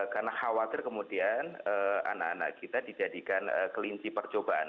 karena khawatir kemudian anak anak kita dijadikan kelinci percobaan